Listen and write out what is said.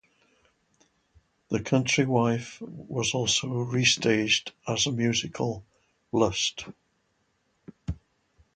"The Country Wife" was also restaged as a musical "Lust".